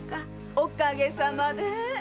おかげさまで。